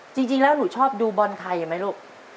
จริงแล้วหนูชอบดูบอลไทยไหมลูก